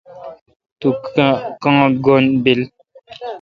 تو کاں گن بیل۔